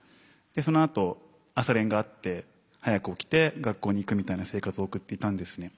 そのあと朝練があって早く起きて学校に行くみたいな生活を送っていたんですね。